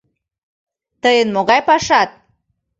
— Тыйын могай пашат!..